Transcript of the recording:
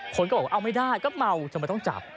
คนก็บอกว่าเอาไม่ได้ก็เมาทำไมต้องจับ